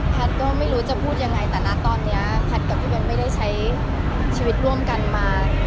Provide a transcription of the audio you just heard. ก็ไม่รู้จะพูดยังไงแต่นะตอนนี้แพทย์กับพี่เบ้นไม่ได้ใช้ชีวิตร่วมกันมา